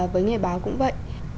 với nghề báo cũng vậy